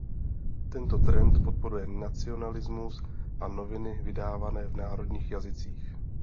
Tento trend podporuje nacionalismus a noviny vydávané v národních jazycích.